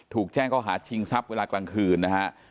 ถูกแจ้งเขาหาชิงทรัพย์เวลากลางคืนนะฮะ